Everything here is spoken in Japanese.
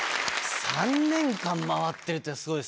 ３年間回ってるっていうのはスゴいですね。